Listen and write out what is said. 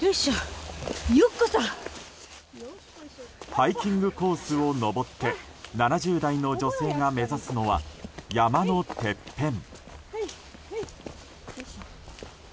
ハイキングコースを登って７０代の女性が目指すのは山のてっぺん。